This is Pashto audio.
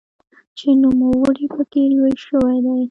چې نوموړی پکې لوی شوی دی.